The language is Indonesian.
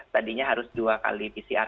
tadinya harus dua kali pcr